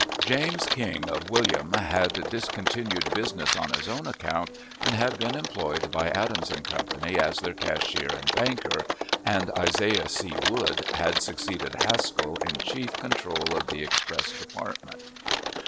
James King of Wm. had discontinued business on his own account, and been employed by Adams & Co. as their cashier and banker, and Isaiah C. Wood had succeeded Haskell in chief control of the express department.